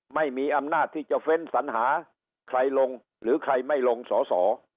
ไม่มีอำนาจที่จะเฟ้นสัญหาใครลงหรือใครไม่ลงสอสอ